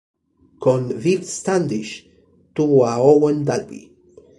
Con Viv Standish tuvo a Owen Dalby.